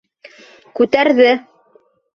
Күтәрҙе!